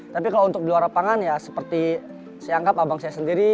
tapi kalau untuk di luar lapangan ya seperti saya anggap abang saya sendiri